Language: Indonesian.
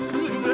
kalah lagi lo